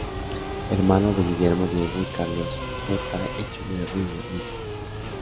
Hermano de Guillermo, Diego y Carlos J. Echavarría Misas.